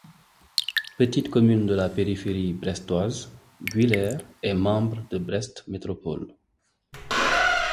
Petite commune de la périphérie brestoise, Guilers est membre de Brest Métropole.